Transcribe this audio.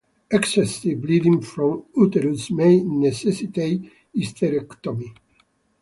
Excessive bleeding from uterus may necessitate hysterectomy.